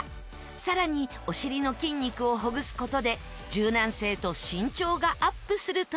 更にお尻の筋肉をほぐす事で柔軟性と身長がアップするという。